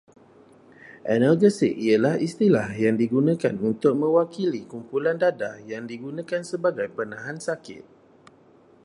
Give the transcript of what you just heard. Analgesik ialah istilah yang digunakan untuk mewakili kumpulan dadah yang digunakan sebagai penahan sakit